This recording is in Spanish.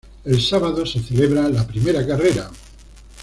El sábado se celebra la primera carrera.